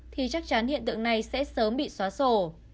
thì chắc chắn hiện tượng này sẽ sớm bị xóa sổ